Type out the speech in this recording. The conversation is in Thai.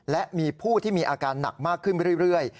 และมีผู้ที่มีอาการหนักมากขึ้นไปเรื่อย